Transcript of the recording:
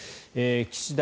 岸田